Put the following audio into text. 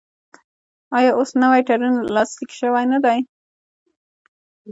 آیا اوس نوی تړون لاسلیک شوی نه دی؟